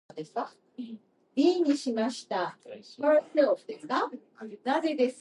They returned about sunrise and fastened the flower-decked branches over the doors.